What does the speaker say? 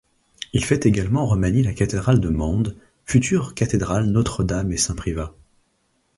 Il fait également remanier la cathédrale de Mende, future cathédrale Notre-Dame-et-Saint-Privat.